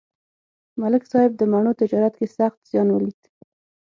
ملک صاحب د مڼو تجارت کې سخت زیان ولید.